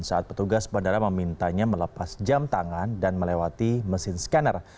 saat petugas bandara memintanya melepas jam tangan dan melewati mesin scanner